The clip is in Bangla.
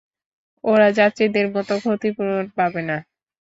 ওরা যাত্রীদের মতো ক্ষতিপূরণ পাবে না।